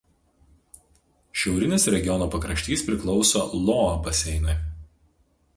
Šiaurinis regiono pakraštys priklauso Loa baseinui.